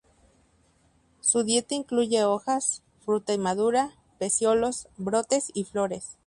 Su dieta incluye hojas, fruta inmadura, peciolos, brotes y flores.